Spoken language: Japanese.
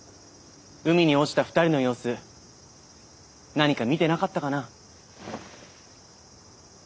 海に落ちた２人の様子何か見てなかったかな？